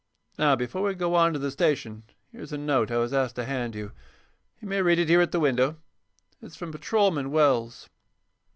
Now, before we go on to the station here's a note I was asked to hand you. You may read it here at the window. It's from Patrolman Wells."